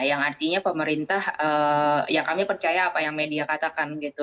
yang artinya pemerintah ya kami percaya apa yang media katakan gitu